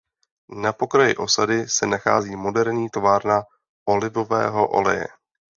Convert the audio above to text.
Na pokraji osady se nachází moderní továrna olivového oleje.